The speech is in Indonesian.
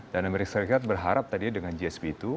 dan amerika serikat berharap tadi dengan gsp itu